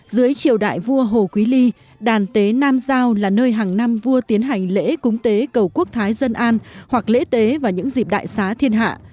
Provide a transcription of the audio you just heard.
dưới triều đại vua hồ quý ly đàn tế nam giao là nơi hàng năm vua tiến hành lễ cúng tế cầu quốc thái dân an hoặc lễ tế và những dịp đại xá thiên hạ